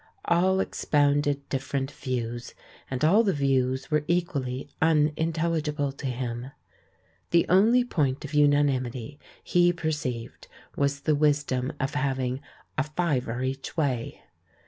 All expounded different views, and all the views were equally unintelli gible to him. The only point of unanimity he perceived was the wisdom of having "a fiver each way."